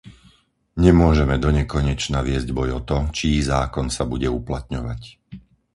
Nemôžeme donekonečna viesť boj o to, čí zákon sa bude uplatňovať.